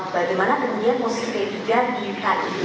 bagaimana kemudian posisi dpp p tiga di kid